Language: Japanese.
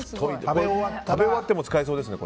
食べ終わっても使えそうですね。